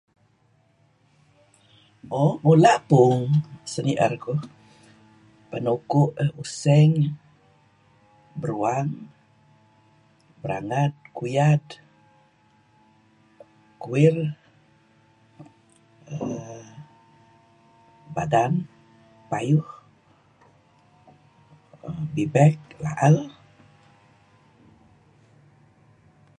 Mo, mula' puung seni'er kuh peh neh uku' eh, useng, beruang, berangad, kuyad, kuir err badan, payuh, bibek, la'al,